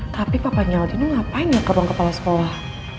tapi papa nyelidin ngapain ya ke ruang kepala sekolah